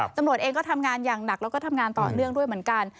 ตำรวจเองก็ทำงานอย่างหนักแล้วก็ทำงานต่อเนื่องด้วยเหมือนกัน